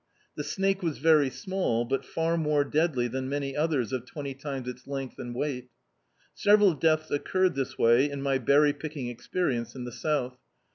The snake was very small, but far more deadly Uian many others of twenty times its length and weight Sev eral deaths occurred this way in my berry picking experience in the South.